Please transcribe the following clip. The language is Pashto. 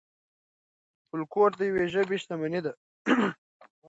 فولکلور د یوې ژبې شتمني ده.